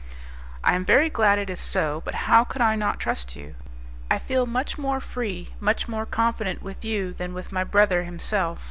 "I am very glad it is so; but how could I not trust you? I feel much more free, much more confident with you than with my brother himself.